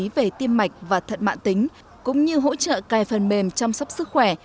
bệnh lý về tim mạch và thận mạn tính cũng như hỗ trợ cài phần mềm chăm sóc sức khỏe